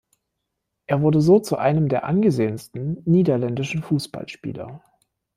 Er wurde so zu einem der angesehensten niederländischen Fußballspieler.